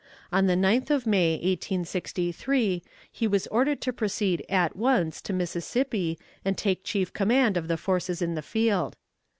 On the 9th of May, 1863, he was ordered to proceed at once to Mississippi and take chief command of the forces in the field.